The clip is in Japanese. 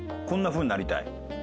こんな風になりたい。